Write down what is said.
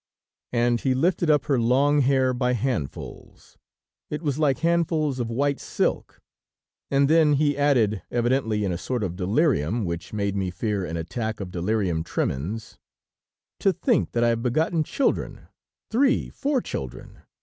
And he lifted up her long hair by handfuls; it was like handfuls of white silk, and then he added, evidently in a sort of delirium, which made me fear an attack of delirium tremens: "To think that I have begotten children, three, four children.